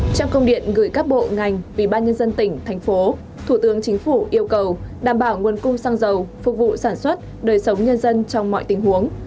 trong công điện gửi các bộ ngành ủy ban nhân dân tỉnh thành phố thủ tướng chính phủ yêu cầu đảm bảo nguồn cung xăng dầu phục vụ sản xuất đời sống nhân dân trong mọi tình huống